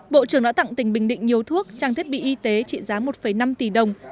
bộ trưởng đã tặng tỉnh bình định nhiều thuốc trang thiết bị y tế trị giá một năm tỷ đồng